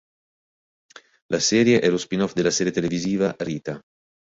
La serie è lo spin-off della serie televisiva "Rita".